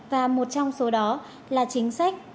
và một trong số đó là chính sách